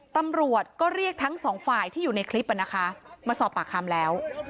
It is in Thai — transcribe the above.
ตำรวจก็เรียกทั้งสองฝ่ายที่อยู่ในคลิปนะคะมาสอบปากคำแล้ว